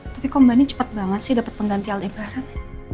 tapi kok mba nin cepet banget sih dapet pengganti aldebaran